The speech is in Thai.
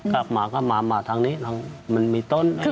กลับมาก็มามาทางนี้